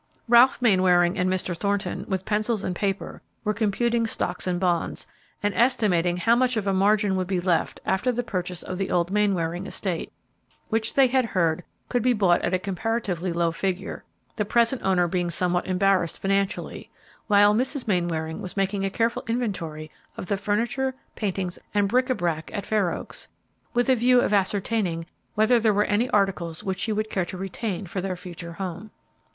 Ralph Mainwaring and Mr. Thornton, with pencils and paper, were computing stocks and bonds, and estimating how much of a margin would be left after the purchase of the old Mainwaring estate, which they had heard could be bought at a comparatively low figure, the present owner being somewhat embarrassed financially; while Mrs. Mainwaring was making a careful inventory of the furniture, paintings, and bric a brac at Fair Oaks, with a view of ascertaining whether there were any articles which she would care to retain for their future home.